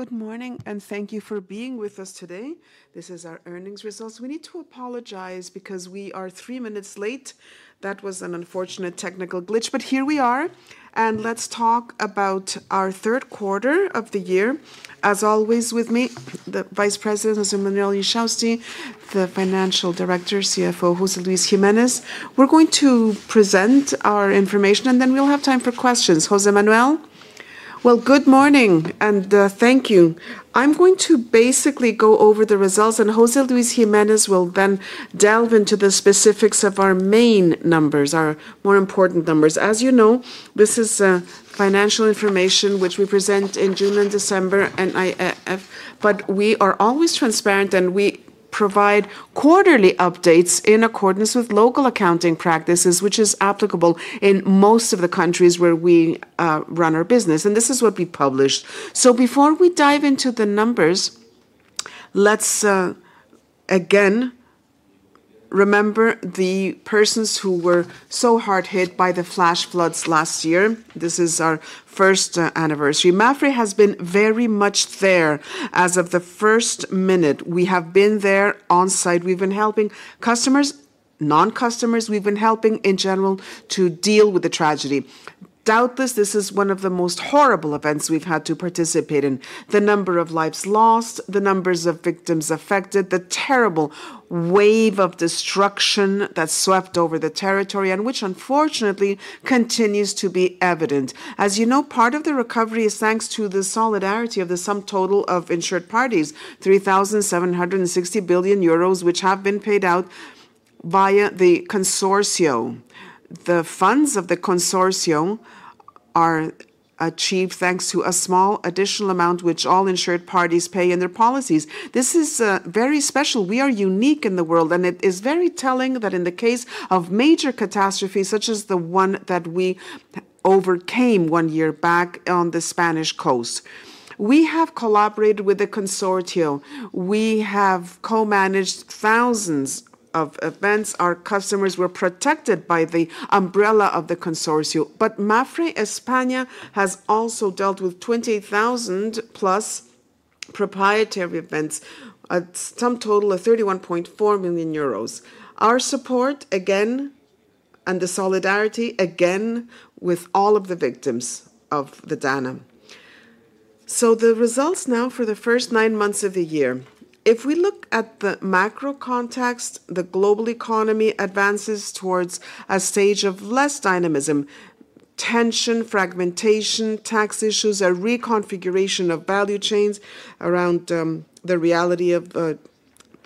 Good morning, and thank you for being with us today. This is our earnings results. We need to apologize because we are three minutes late. That was an unfortunate technical glitch, but here we are. Let's talk about our third quarter of the year. As always, with me, the Vice President, José Manuel Inchausti, the Chief Financial Officer, José Luis Jiménez. We're going to present our information, and then we'll have time for questions. José Manuel? Good morning, and thank you. I'm going to basically go over the results, and José Luis Jiménez will then delve into the specifics of our main numbers, our more important numbers. As you know, this is financial information which we present in June and December, and I have, but we are always transparent, and we provide quarterly updates in accordance with local accounting practices, which is applicable in most of the countries where we run our business. This is what we published. Before we dive into the numbers, let's again remember the persons who were so hard hit by the flash floods last year. This is our first anniversary. MAPFRE has been very much there as of the first minute. We have been there on site. We've been helping customers, non-customers. We've been helping in general to deal with the tragedy. Doubtless, this is one of the most horrible events we've had to participate in. The number of lives lost, the numbers of victims affected, the terrible wave of destruction that swept over the territory, and which unfortunately continues to be evident. As you know, part of the recovery is thanks to the solidarity of the sum total of insured parties: 3.760 billion euros, which have been paid out. Via the Consorcio. The funds of the consorcio are achieved thanks to a small additional amount, which all insured parties pay in their policies. This is very special. We are unique in the world, and it is very telling that in the case of major catastrophes, such as the one that we overcame one year back on the Spanish coast, we have collaborated with the consorcio. We have co-managed thousands of events. Our customers were protected by the umbrella of the consorcio. MAPFRE España has also dealt with 20,000-plus proprietary events. A sum total of 31.4 million euros. Our support, again, and the solidarity, again, with all of the victims of the DANA. The results now for the first nine months of the year. If we look at the macro context, the global economy advances towards a stage of less dynamism. Tension, fragmentation, tax issues, a reconfiguration of value chains around the reality of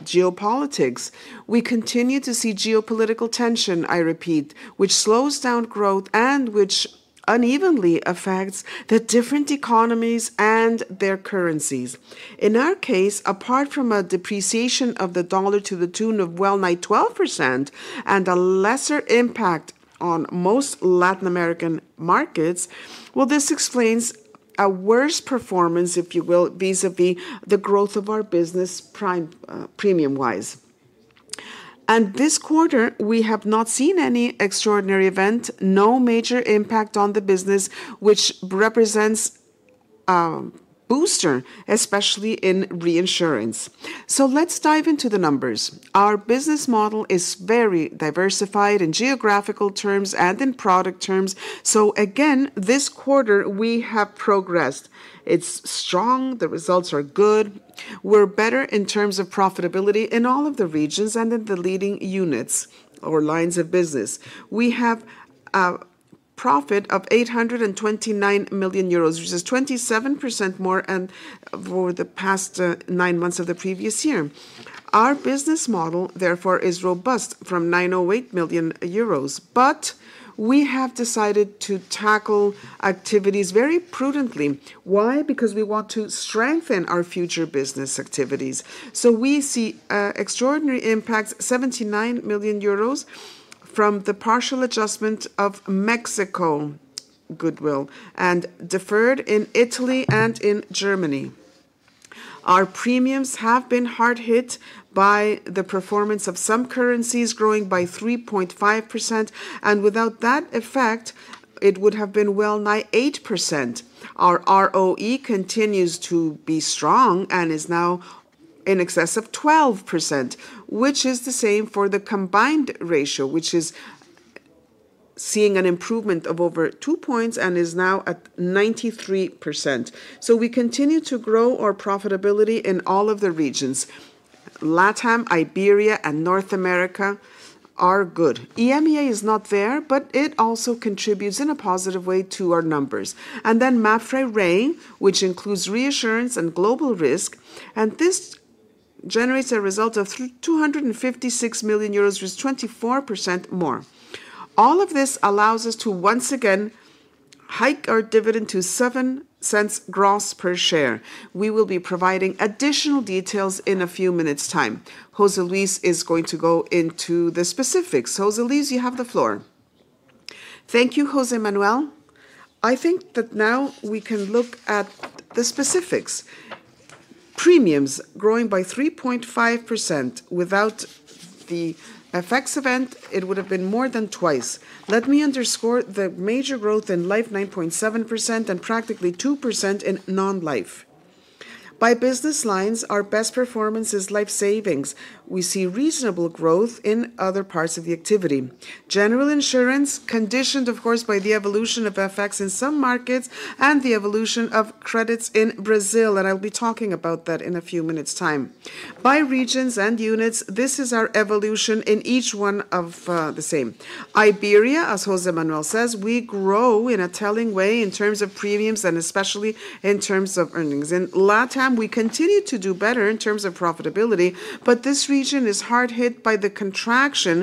geopolitics. We continue to see geopolitical tension, I repeat, which slows down growth and which unevenly affects the different economies and their currencies. In our case, apart from a depreciation of the dollar to the tune of well-nigh 12% and a lesser impact on most Latin American markets, this explains a worse performance, if you will, vis-à-vis the growth of our business premium-wise. This quarter, we have not seen any extraordinary event, no major impact on the business, which represents a booster, especially in reinsurance. Let's dive into the numbers. Our business model is very diversified in geographical terms and in product terms. Again, this quarter, we have progressed. It's strong. The results are good. We're better in terms of profitability in all of the regions and in the leading units or lines of business. We have a profit of 829 million euros, which is 27% more than for the past nine months of the previous year. Our business model, therefore, is robust from 908 million euros. We have decided to tackle activities very prudently. Why? Because we want to strengthen our future business activities. We see extraordinary impacts: 79 million euros from the partial adjustment of Mexico goodwill and deferred in Italy and in Germany. Our premiums have been hard hit by the performance of some currencies, growing by 3.5%. Without that effect, it would have been well-nigh 8%. Our ROE continues to be strong and is now in excess of 12%, which is the same for the combined ratio, which is seeing an improvement of over two points and is now at 93%. We continue to grow our profitability in all of the regions. LATAM, Iberia, and North America are good. EMEA is not there, but it also contributes in a positive way to our numbers. MAPFRE Re, which includes reinsurance and global risk, generates a result of 256 million euros, which is 24% more. All of this allows us to once again hike our dividend to 0.07 gross per share. We will be providing additional details in a few minutes' time. José Luis is going to go into the specifics. José Luis, you have the floor. Thank you, José Manuel. I think that now we can look at the specifics. Premiums growing by 3.5%. Without the FX event, it would have been more than twice. Let me underscore the major growth in life, 9.7%, and practically 2% in non-life. By business lines, our best performance is Life savings. We see reasonable growth in other parts of the activity. General insurance, conditioned, of course, by the evolution of FX in some markets and the evolution of credits in Brazil. I'll be talking about that in a few minutes' time. By regions and units, this is our evolution in each one of the same. Iberia, as José Manuel Inchausti says, we grow in a telling way in terms of premiums and especially in terms of earnings. In LATAM, we continue to do better in terms of profitability, but this region is hard hit by the contraction,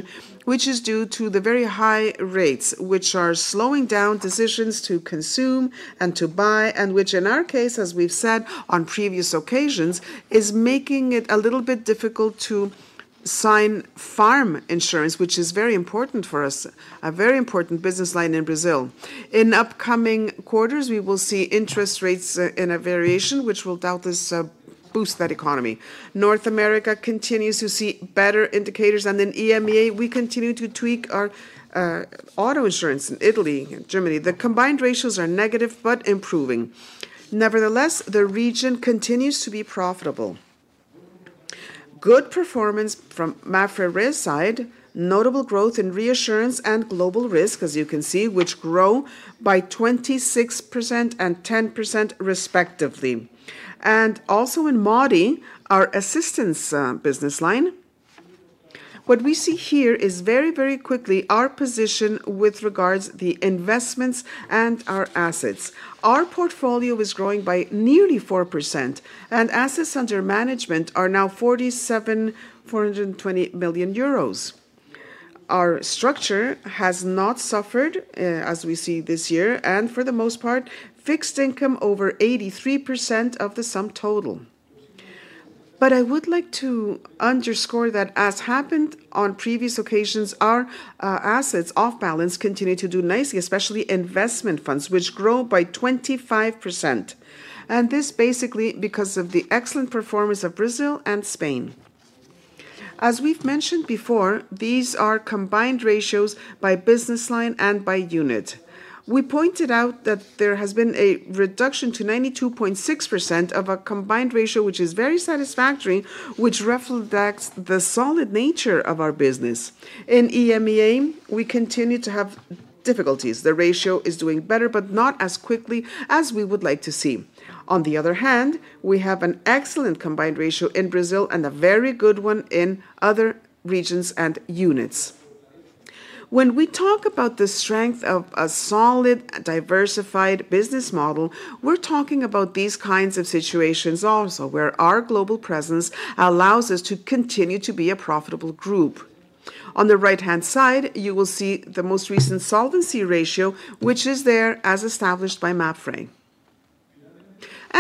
which is due to the very high rates, which are slowing down decisions to consume and to buy, and which, in our case, as we've said on previous occasions, is making it a little bit difficult to sign farm insurance, which is very important for us, a very important business line in Brazil. In upcoming quarters, we will see interest rates in a variation, which will doubtless boost that economy. North America continues to see better indicators. In EMEA, we continue to tweak our auto insurance in Italy and Germany. The combined ratios are negative but improving. Nevertheless, the region continues to be profitable. Good performance from MAPFRE Re side, notable growth in reinsurance and global risk, as you can see, which grow by 26% and 10%, respectively, and also in MADI, our assistance business line. What we see here is very, very quickly our position with regards to the investments and our assets. Our portfolio is growing by nearly 4%, and assets under management are now 47,420 million euros. Our structure has not suffered, as we see this year, and for the most part, fixed income over 83% of the sum total. I would like to underscore that, as happened on previous occasions, our assets off balance continue to do nicely, especially investment funds, which grow by 25%. This is basically because of the excellent performance of Brazil and Spain. As we've mentioned before, these are combined ratios by business line and by unit. We pointed out that there has been a reduction to 92.6% of a combined ratio, which is very satisfactory, which reflects the solid nature of our business. In EMEA, we continue to have difficulties. The ratio is doing better, but not as quickly as we would like to see. On the other hand, we have an excellent combined ratio in Brazil and a very good one in other regions and units. When we talk about the strength of a solid, diversified business model, we're talking about these kinds of situations also where our global presence allows us to continue to be a profitable group. On the right-hand side, you will see the most recent solvency ratio, which is there as established by MAPFRE.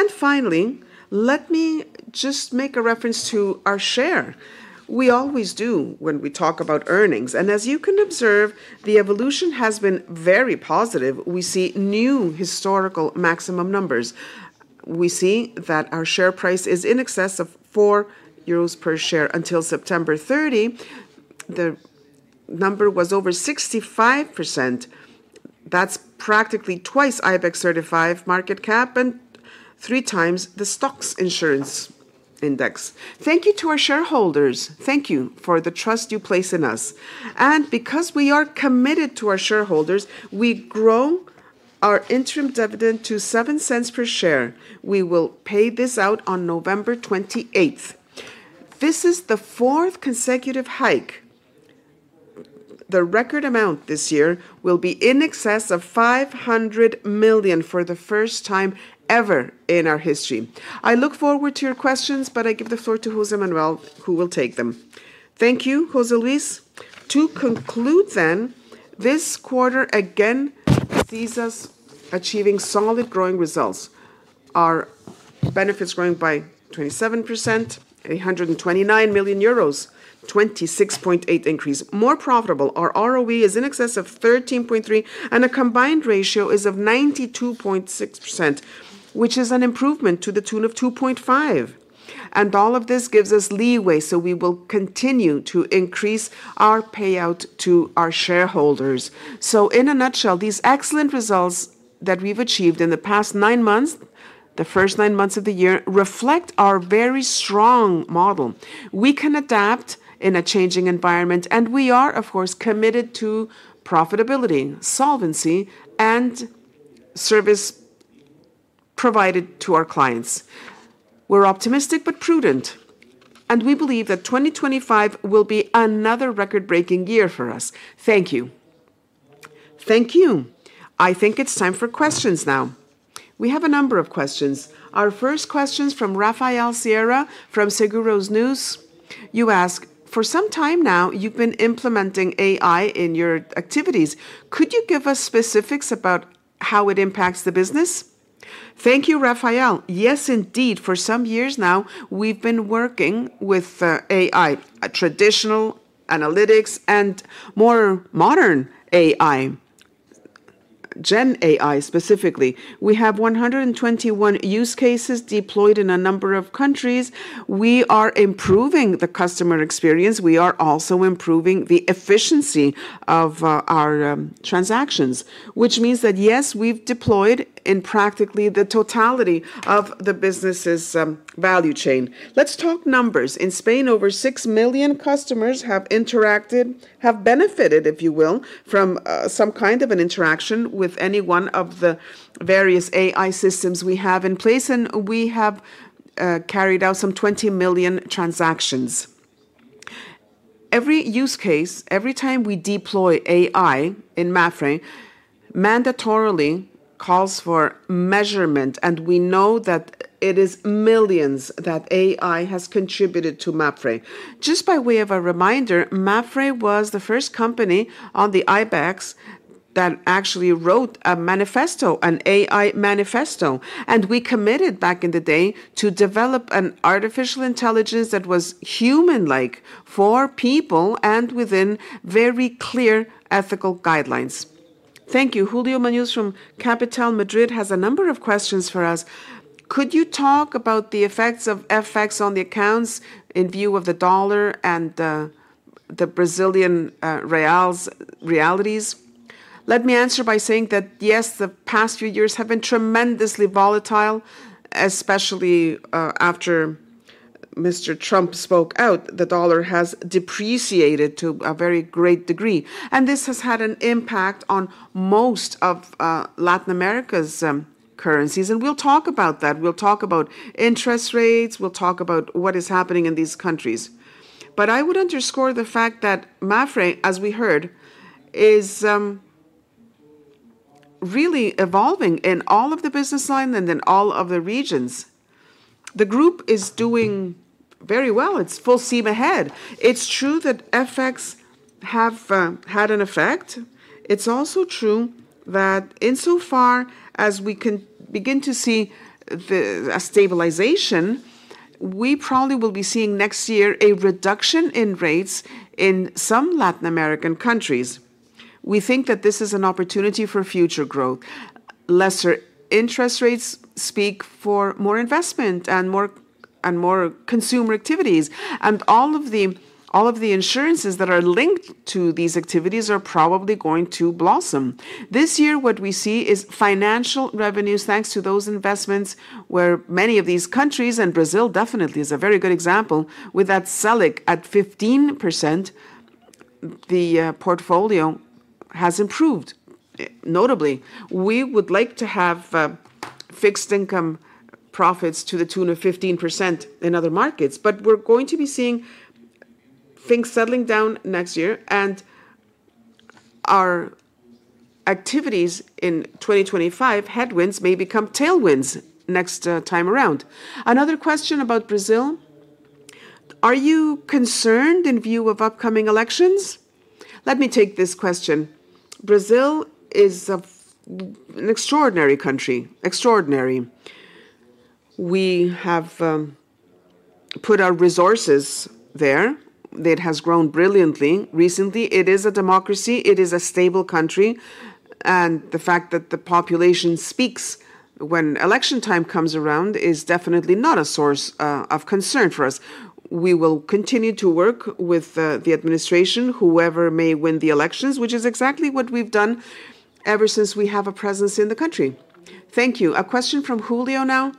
Finally, let me just make a reference to our share. We always do when we talk about earnings. As you can observe, the evolution has been very positive. We see new historical maximum numbers. We see that our share price is in excess of 4 euros per share until September 30. The number was over 65%. That's practically twice IBEX-certified market cap and three times the stocks insurance index. Thank you to our shareholders. Thank you for the trust you place in us. Because we are committed to our shareholders, we grow our interim dividend to 0.07 per share. We will pay this out on November 28th. This is the fourth consecutive hike. The record amount this year will be in excess of 500 million for the first time ever in our history. I look forward to your questions, but I give the floor to José Manuel, who will take them. Thank you, José Luis. To conclude then, this quarter again sees us achieving solid growing results. Our benefits growing by 27%, 129 million euros, 26.8% increase. More profitable. Our ROE is in excess of 13.3%, and the combined ratio is 92.6%, which is an improvement to the tune of 2.5%. All of this gives us leeway, so we will continue to increase our payout to our shareholders. In a nutshell, these excellent results that we've achieved in the past nine months, the first nine months of the year, reflect our very strong model. We can adapt in a changing environment, and we are, of course, committed to profitability, solvency, and service provided to our clients. We're optimistic but prudent, and we believe that 2025 will be another record-breaking year for us. Thank you. Thank you. I think it's time for questions now. We have a number of questions. Our first question is from Rafael Sierra from Seguros News. You ask, "For some time now, you've been implementing AI in your activities. Could you give us specifics about how it impacts the business?" Thank you, Rafael. Yes, indeed. For some years now, we've been working with AI, traditional analytics, and more modern AI. Gen AI specifically. We have 121 use cases deployed in a number of countries. We are improving the customer experience. We are also improving the efficiency of our transactions, which means that, yes, we've deployed in practically the totality of the business's value chain. Let's talk numbers. In Spain, over 6 million customers have interacted, have benefited, if you will, from some kind of an interaction with any one of the various AI systems we have in place, and we have carried out some 20 million transactions. Every use case, every time we deploy AI in MAPFRE, mandatorily calls for measurement, and we know that it is millions that AI has contributed to MAPFRE. Just by way of a reminder, MAPFRE was the first company on the IBEX that actually wrote a manifesto, an AI manifesto. We committed back in the day to develop an artificial intelligence that was human-like for people and within very clear ethical guidelines. Thank you. Julio Mañuz from Capital Madrid has a number of questions for us. Could you talk about the effects of FX on the accounts in view of the dollar and the Brazilian realities? Let me answer by saying that, yes, the past few years have been tremendously volatile, especially after Mr. Trump spoke out. The dollar has depreciated to a very great degree, and this has had an impact on most of Latin America's currencies. We'll talk about that. We'll talk about interest rates. We'll talk about what is happening in these countries. I would underscore the fact that MAPFRE, as we heard, is really evolving in all of the business lines and in all of the regions. The group is doing very well. It's full steam ahead. It's true that FX has had an effect. It's also true that insofar as we can begin to see a stabilization, we probably will be seeing next year a reduction in rates in some Latin American countries. We think that this is an opportunity for future growth. Lesser interest rates speak for more investment and more consumer activities. All of the insurances that are linked to these activities are probably going to blossom. This year, what we see is financial revenues, thanks to those investments where many of these countries, and Brazil definitely is a very good example, with that SELIC at 15%. The portfolio has improved notably. We would like to have fixed income profits to the tune of 15% in other markets, but we're going to be seeing things settling down next year. Our activities in 2025 headwinds may become tailwinds next time around. Another question about Brazil. Are you concerned in view of upcoming elections? Let me take this question. Brazil is an extraordinary country, extraordinary. We have put our resources there. It has grown brilliantly recently. It is a democracy. It is a stable country. The fact that the population speaks when election time comes around is definitely not a source of concern for us. We will continue to work with the administration, whoever may win the elections, which is exactly what we've done ever since we have a presence in the country. Thank you. A question from Julio now.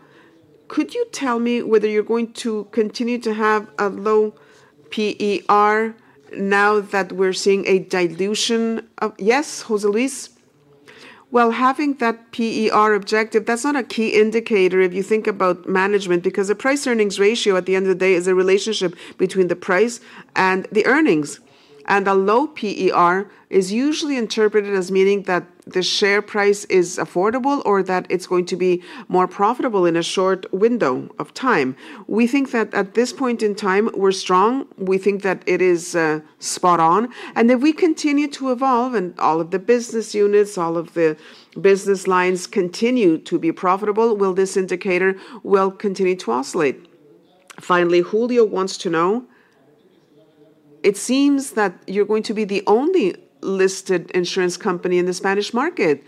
Could you tell me whether you're going to continue to have a low PER now that we're seeing a dilution of? Yes, José Luis? Having that PER objective, that's not a key indicator if you think about management, because the price-earnings ratio at the end of the day is a relationship between the price and the earnings. A low PER is usually interpreted as meaning that the share price is affordable or that it's going to be more profitable in a short window of time. We think that at this point in time, we're strong. We think that it is spot on. If we continue to evolve and all of the business units, all of the business lines continue to be profitable, will this indicator continue to oscillate? Finally, Julio wants to know. It seems that you're going to be the only listed insurance company in the Spanish market.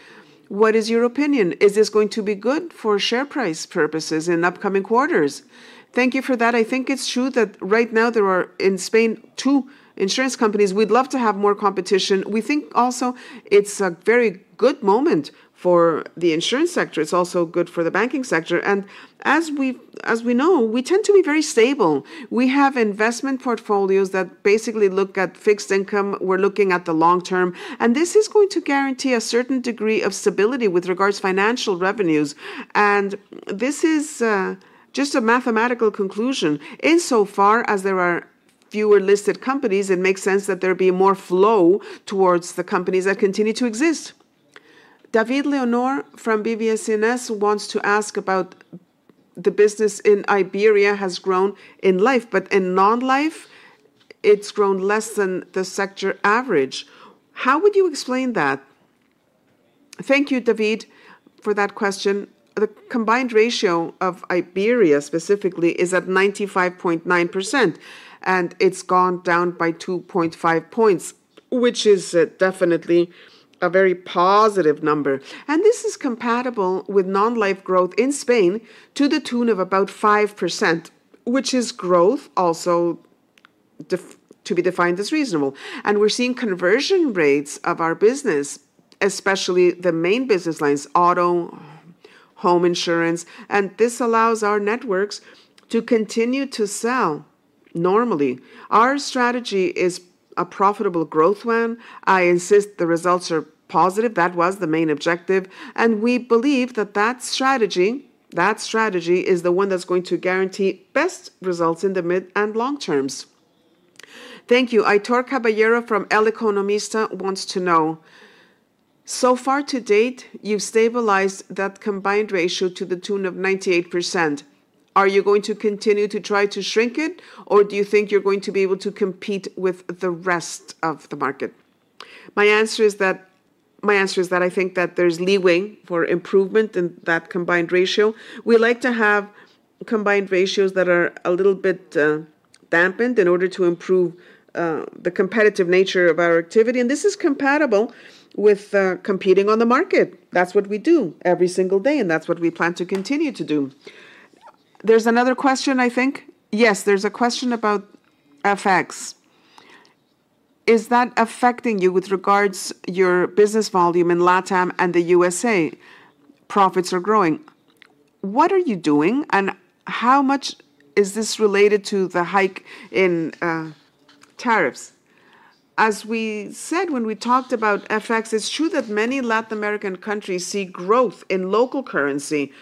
What is your opinion? Is this going to be good for share price purposes in upcoming quarters? Thank you for that. I think it's true that right now there are in Spain two insurance companies. We'd love to have more competition. We think also it's a very good moment for the insurance sector. It's also good for the banking sector. As we know, we tend to be very stable. We have investment portfolios that basically look at fixed income. We're looking at the long term. This is going to guarantee a certain degree of stability with regards to financial revenues. This is just a mathematical conclusion. Insofar as there are fewer listed companies, it makes sense that there be more flow towards the companies that continue to exist. David Leonor from BBSCNS wants to ask about the business in Iberia. It has grown in life, but in non-life, it's grown less than the sector average. How would you explain that? Thank you, David, for that question. The combined ratio of Iberia specifically is at 95.9%, and it's gone down by 2.5 points, which is definitely a very positive number. This is compatible with Non-Life growth in Spain to the tune of about 5%, which is growth also to be defined as reasonable. We're seeing conversion rates of our business, especially the main business lines, auto and Homeowner insurance. This allows our networks to continue to sell normally. Our strategy is a profitable growth one. I insist the results are positive. That was the main objective. We believe that that strategy is the one that's going to guarantee best results in the mid and long terms. Thank you. Aitor Caballero from El Economista wants to know, so far to date, you've stabilized that combined ratio to the tune of 98%. Are you going to continue to try to shrink it, or do you think you're going to be able to compete with the rest of the market? My answer is that I think that there's leeway for improvement in that combined ratio. We like to have combined ratios that are a little bit dampened in order to improve the competitive nature of our activity. This is compatible with competing on the market. That's what we do every single day, and that's what we plan to continue to do. There's another question, I think. Yes, there's a question about FX. Is that affecting you with regards to your business volume in LATAM and the U.S.? Profits are growing. What are you doing, and how much is this related to the hike in tariffs? As we said when we talked about FX, it's true that many Latin American countries see growth in local currency,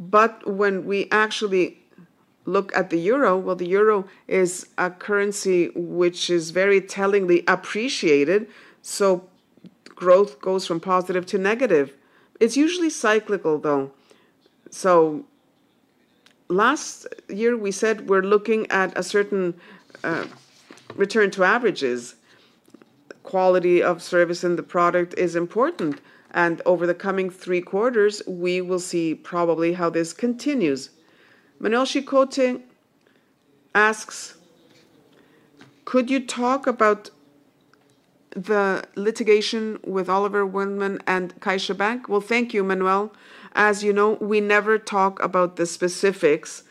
but when we actually look at the euro, the euro is a currency which is very tellingly appreciated. Growth goes from positive to negative. It's usually cyclical, though. Last year, we said we're looking at a certain return to averages. Quality of service and the product is important. Over the coming three quarters, we will see probably how this continues. Manuel Chicotte asks, could you talk about the litigation with Oliver Wyman and CaixaBank? Thank you, Manuel. As you know, we never talk about the specifics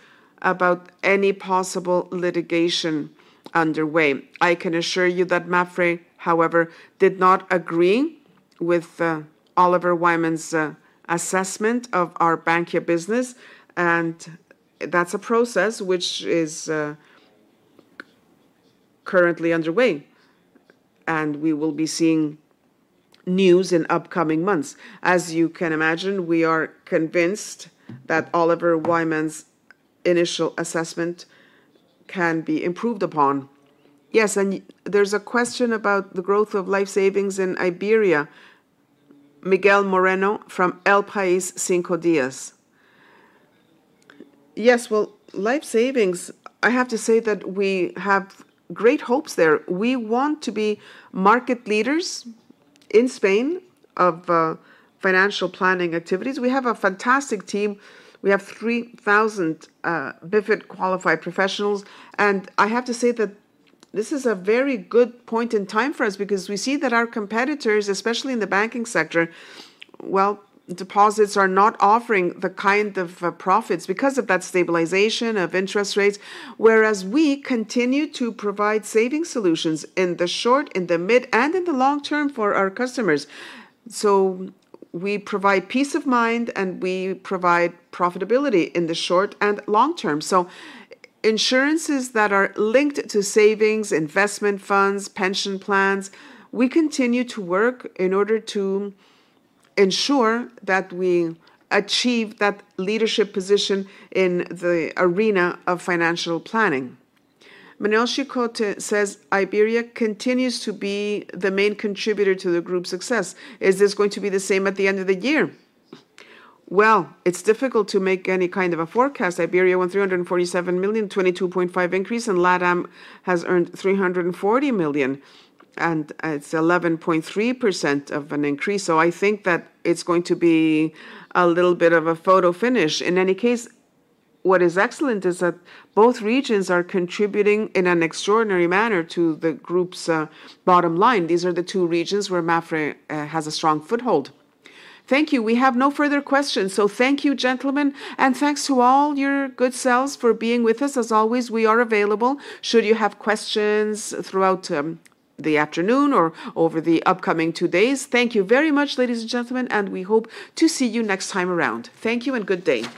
about any possible litigation underway. I can assure you that MAPFRE, however, did not agree with Oliver Wyman's assessment of our banking business. That's a process which is currently underway, and we will be seeing news in upcoming months. As you can imagine, we are convinced that Oliver Wyman's initial assessment can be improved upon. Yes, and there's a question about the growth of life savings in Iberia. Miguel Moreno from El País Cinco Días. Yes, life savings, I have to say that we have great hopes there. We want to be market leaders in Spain of financial planning activities. We have a fantastic team. We have 3,000 MiFID qualified professionals. I have to say that this is a very good point in time for us because we see that our competitors, especially in the banking sector, deposits are not offering the kind of profits because of that stabilization of interest rates, whereas we continue to provide saving solutions in the short, in the mid, and in the long term for our customers. We provide peace of mind, and we provide profitability in the short and long term. Insurances that are linked to savings, investment funds, pension plans, we continue to work in order to ensure that we achieve that leadership position in the arena of financial planning. Manuel Chicotte says Iberia continues to be the main contributor to the group's success. Is this going to be the same at the end of the year? It's difficult to make any kind of a forecast. Iberia won 347 million, 22.5% increase, and LATAM has earned 340 million, and it's 11.3% of an increase. I think that it's going to be a little bit of a photo finish. In any case, what is excellent is that both regions are contributing in an extraordinary manner to the group's bottom line. These are the two regions where MAPFRE has a strong foothold. Thank you. We have no further questions. Thank you, gentlemen, and thanks to all your good sales for being with us. As always, we are available should you have questions throughout the afternoon or over the upcoming two days. Thank you very much, ladies and gentlemen, and we hope to see you next time around. Thank you and good day.